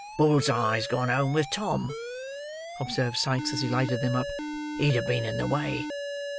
"Bull's eye's gone home with Tom," observed Sikes, as he lighted them up. "He'd have been in the way."